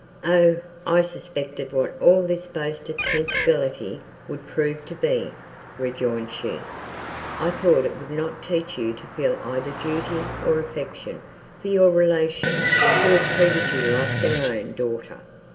"O! I suspected what all this boasted sensibility would prove to be!" rejoined she; "I thought it would not teach you to feel either duty, or affection, for your relations, who have treated you like their own daughter!"